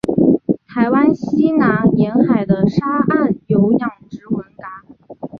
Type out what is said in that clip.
台湾西南沿海的沙岸有养殖文蛤。